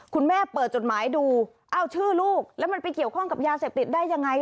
คุณแม่เปิดจดหมายดูเอ้าชื่อลูกแล้วมันไปเกี่ยวข้องกับยาเสพติดได้ยังไง